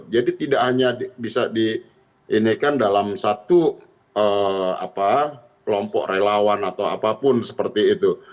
tidak hanya bisa di inikan dalam satu kelompok relawan atau apapun seperti itu